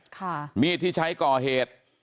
มีดที่ใช้ก่อเหตุ